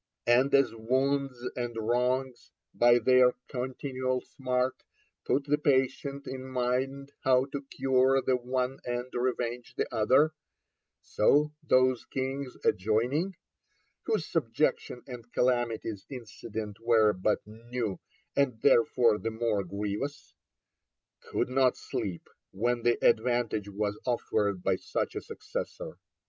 And as wounds and wrongs, by their continual smart, put the patient in mind how to cure the one and revenge the other, so those kings adjoining (whose subjection and calamities incident were but new, and therefore the more grievous) could not sleep, when the advantage was offered by such a successor.